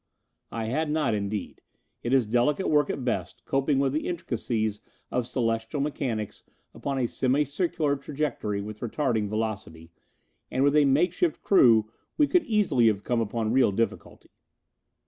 I had not, indeed. It is delicate work at best, coping with the intricacies of celestial mechanics upon a semicircular trajectory with retarding velocity, and with a make shift crew we could easily have come upon real difficulty.